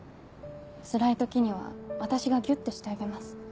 つらい時には私がギュってしてあげます。